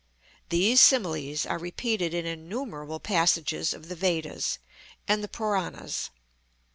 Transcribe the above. (These similes are repeated in innumerable passages of the Vedas and the Puranas.)